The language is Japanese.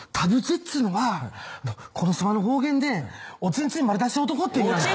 っつうのはこの島の方言で「おちんちん丸出し男」って意味なんだよ。